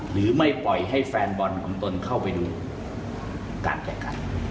หรือไม่ปล่อยให้แฟนบอลของตนเข้าไปดูการแข่งขัน